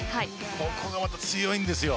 ここがまた強いんですよ。